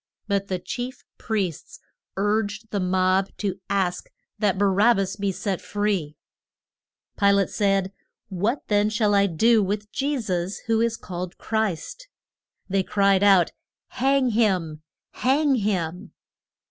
But the chief priests urged the mob to ask that Ba rab bas be set free. Pi late said, What then shall I do with Je sus, who is called Christ? They cried out, Hang him! Hang him!